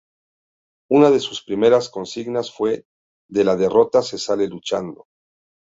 Una de sus primeras consignas fue "de la derrota se sale luchando".